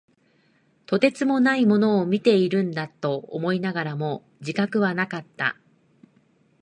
とてつもないものを見ているんだと思いながらも、自覚はなかった。